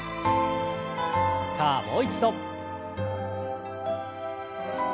さあもう一度。